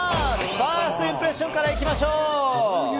ファーストインプレッションから行きましょう！